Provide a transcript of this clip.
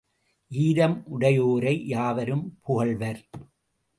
ஈரம் உடையோரை யாவரும் புகழ்வர்.